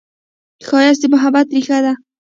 ښایست د محبت ریښه ده